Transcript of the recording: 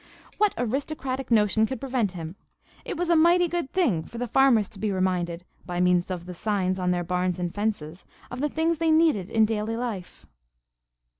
What aristocratic notion could prevent him? It was a mighty good thing for the farmers to be reminded, by means of the signs on their barns and fences, of the things they needed in daily life.